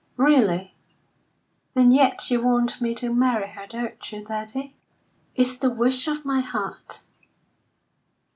"Really? And yet you want me to marry her, don't you, daddy?" "It's the wish of my heart."